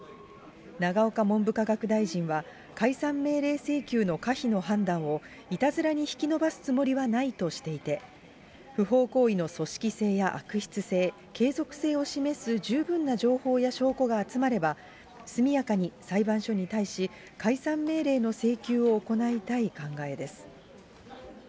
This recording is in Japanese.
永岡文部科学大臣は、解散命令請求の可否の判断を、いたずらに引き延ばすつもりはないとしていて、不法行為の組織性や悪質性、継続性を示す十分な情報や証拠が集まれば、速やかに裁判所に対し、解散命令の請求を行いたい考えです。